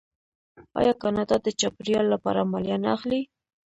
آیا کاناډا د چاپیریال لپاره مالیه نه اخلي؟